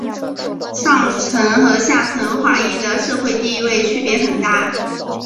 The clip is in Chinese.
上层和下层华裔的社会地位区别很大。